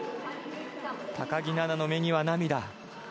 高木菜那の目には涙。